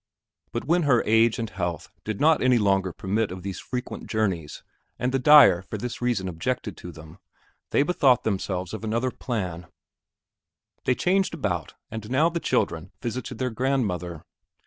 But when her age and health did not any longer permit of these frequent journeys and the dyer for this reason objected to them, they bethought themselves of another plan; they changed about, and now the children visited their grandmother.